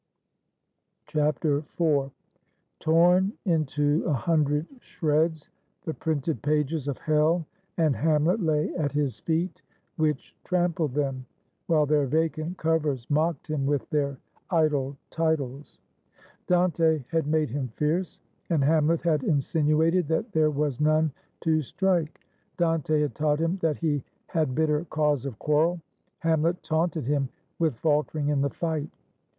IV. Torn into a hundred shreds the printed pages of Hell and Hamlet lay at his feet, which trampled them, while their vacant covers mocked him with their idle titles. Dante had made him fierce, and Hamlet had insinuated that there was none to strike. Dante had taught him that he had bitter cause of quarrel; Hamlet taunted him with faltering in the fight.